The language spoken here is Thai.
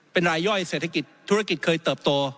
ปล่อยเศรษฐกิจธุรกิจเคยเติบโต